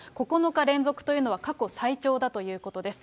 ９日連続というのは過去最長だということです。